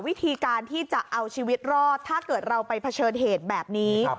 วิธีการที่จะเอาชีวิตรอดถ้าเกิดเราไปเผชิญเหตุแบบนี้